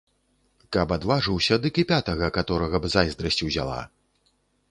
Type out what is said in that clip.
Каб адважыўся, дык і пятага каторага б зайздрасць узяла.